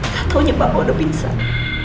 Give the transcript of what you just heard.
gak taunya papa udah pingsan